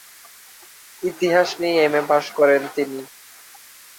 ইতিহাস নিয়ে M A পাশ করেন তিনি।